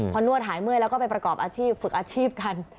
พอนวดหายเมื่อยแล้วก็ไปประกอบอาชีพฝึกอาชีพกัน